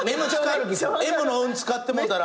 Ｍの運使ってもうたら。